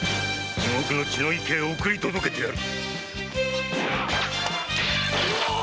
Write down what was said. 地獄の血の池へ送り届けてやる！